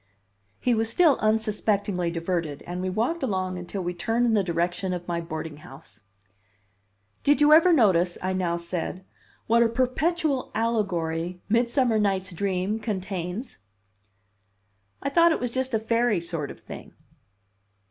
He was still unsuspectingly diverted; and we walked along until we turned in the direction of my boarding house. "Did you ever notice," I now said, "what a perpetual allegory 'Midsummer Night's Dream' contains?" "I thought it was just a fairy sort of thing."